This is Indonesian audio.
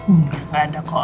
enggak gak ada kok